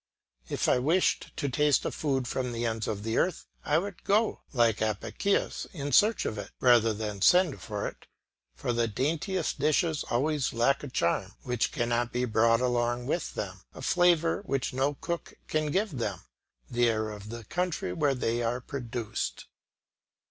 If I wished to taste a food from the ends of the earth, I would go, like Apicius, in search of it, rather than send for it; for the daintiest dishes always lack a charm which cannot be brought along with them, a flavour which no cook can give them the air of the country where they are produced.